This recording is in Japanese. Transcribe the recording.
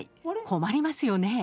困りますよね。